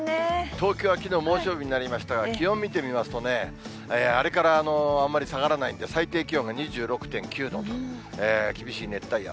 東京はきのう猛暑日になりましたが、気温見てみますとね、あれからあんまり下がらないんで、最低気温が２６．９度と、厳しい熱帯夜。